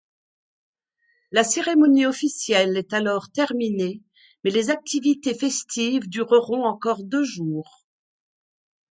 La cérémonie officielle est alors terminée, mais les activités festives dureront encore deux jours.